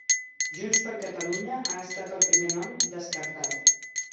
Junts per Catalunya, ha estat el primer nom descartat.